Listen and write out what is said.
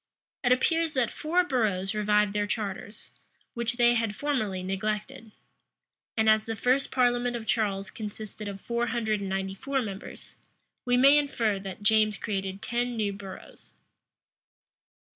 It appears that four boroughs revived their charters, which they had formerly neglected. And as the first parliament of Charles consisted of four hundred and ninety four members, we may infer that James created ten new boroughs.